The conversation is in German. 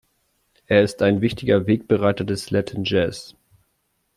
Er ist ein wichtiger Wegbereiter des Latin Jazz.